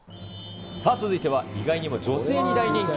続いては意外にも女性に大人気。